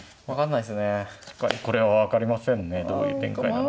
確かにこれは分かりませんねどういう展開なのか。